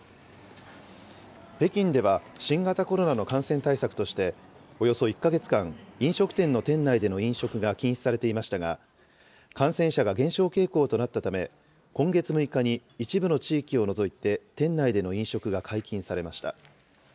北京では新型コロナの感染対策として、およそ１か月間、飲食店の店内での飲食が禁止されていましたが、感染者が減少傾向となったため、今月６日に一部の地域を除いて店内での飲食が解禁されました。